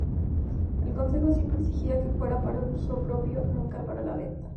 El Concejo siempre exigía que fuera para uso propio, nunca para la venta.